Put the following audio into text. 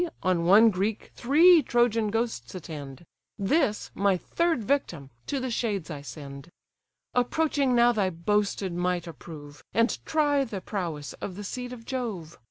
on one Greek three Trojan ghosts attend; This, my third victim, to the shades I send. Approaching now thy boasted might approve, And try the prowess of the seed of Jove.